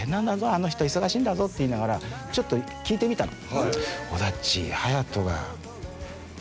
あの人忙しいんだぞって言いながらちょっと聞いてみたの。